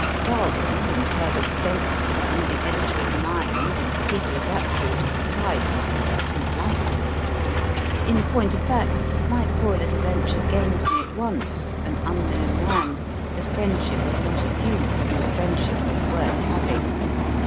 Darwin, and Herbert Spencer, and the Editor of j\Iiiid> and people of that sort, tried my work and liked it ; in point of fact, my poor little venture gained me at once, an unknown man, the friendship of not a few whose friendship was worth having.